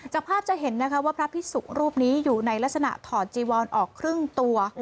ภาพจะเห็นนะคะว่าพระพิสุรูปนี้อยู่ในลักษณะถอดจีวอนออกครึ่งตัว